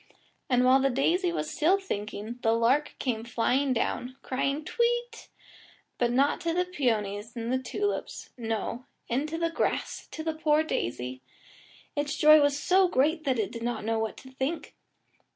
And while the daisy was still thinking, the lark came flying down, crying "Tweet," but not to the peonies and tulips no, into the grass to the poor daisy. Its joy was so great that it did not know what to think.